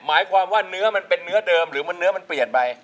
หมายความว่าเนื้อมันเป็นเนื้อเดิมหรือเนื้อมันเปลี่ยนไป